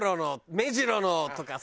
「目白の」とかさ。